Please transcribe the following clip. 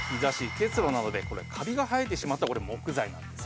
結露などでカビが生えてしまった木材なんです。